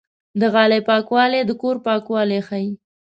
د غالۍ پاکوالی د کور پاکوالی ښيي.